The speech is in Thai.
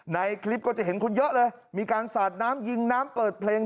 ในคลิปก็จะเห็นคนเยอะเลยมีการสาดน้ำยิงน้ำเปิดเพลง